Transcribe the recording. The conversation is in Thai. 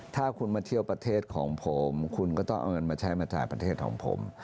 ถ้าคุณมาเที่ยวประเทศของผมคุณก็ต้องเอาเงินมาใช้มาจ่ายประเทศของผม